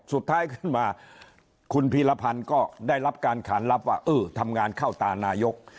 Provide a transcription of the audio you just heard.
สุดท้ายขึ้นมาคุณพีรพันธ์ก็ได้รับการขานรับว่าเออทำงานเข้าตานายก